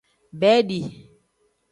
Bedi.